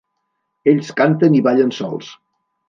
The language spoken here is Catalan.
Ells canten i ballen sols.